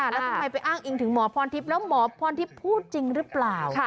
แล้วทำไมไปอ้างอิงถึงหมอพรทิพย์แล้วหมอพรทิพย์พูดจริงหรือเปล่า